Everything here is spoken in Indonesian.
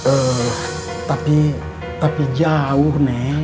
ehh tapi jauh neng